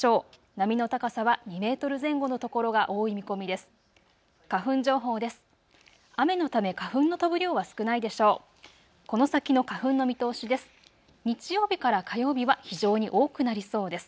波の高さは２メートル前後の所が多い見込みです。